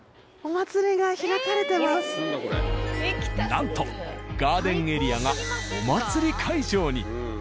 なんとガ―デンエリアがお祭り会場に。